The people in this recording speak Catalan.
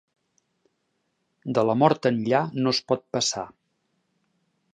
De la mort enllà no es pot passar.